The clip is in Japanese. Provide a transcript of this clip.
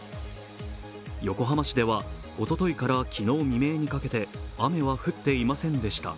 横浜市ではおとといから昨日未明にかけて雨は降っていませんでした。